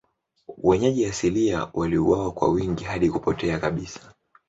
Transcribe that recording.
Wenyeji asilia waliuawa kwa wingi hadi kupotea kabisa.